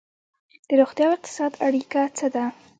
د روغتیا او اقتصاد اړیکه څه ده؟